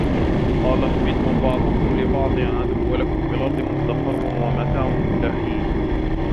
قَالَ اهْبِطُوا بَعْضُكُمْ لِبَعْضٍ عَدُوٌّ وَلَكُمْ فِي الْأَرْضِ مُسْتَقَرٌّ وَمَتَاعٌ إِلَى حِينٍ